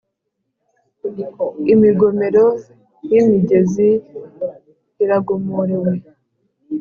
Imigomero y’imigezi iragomorowe